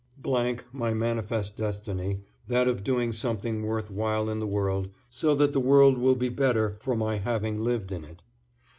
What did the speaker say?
my manifest destiny, that of doing something worth while in the world, so that the world will be better for my having lived in it.